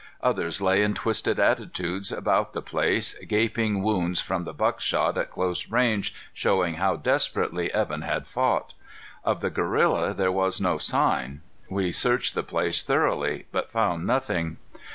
Others lay in twisted attitudes about the place, gaping wounds from the buckshot at close range showing how desperately Evan had fought. Of the gorilla there was no sign. We searched the place thoroughly, but found nothing.